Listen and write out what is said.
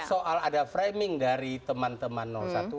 soal ada framing dari teman teman satu